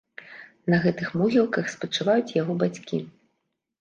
На гэтых могілках спачываюць яго бацькі.